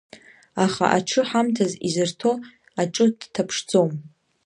Аха аҽы ҳамҭас изырҭо аҿы дҭаԥшӡом!